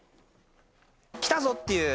来たぞっていう。